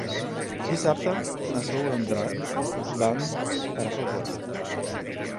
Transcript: Dissabte na Sol i en Drac van a Rafelguaraf.